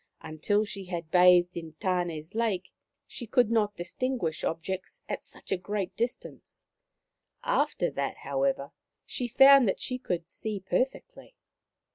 Until she had bathed in Tane's lake, she could not dis tinguish objects at such a great distance ; after that, however, she found that she could see per fectly.